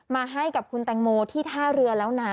มาให้กับคุณแตงโมที่ท่าเรือแล้วนะ